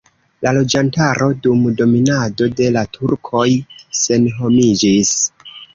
La loĝantaro dum dominado de la turkoj senhomiĝis.